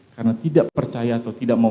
karena tidak percaya atau tidak mau